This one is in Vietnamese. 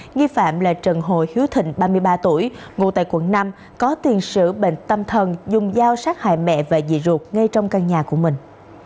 nghi phạm là trần hồ hiếu thịnh ba mươi ba tuổi ngụ tại quận năm có tiền sử bệnh tâm thần dùng dao sát hại mẹ và dị ruột ngay trong căn nhà của mình